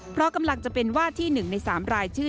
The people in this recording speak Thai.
เพราะกำลังจะเป็นว่าที่๑ใน๓รายชื่อ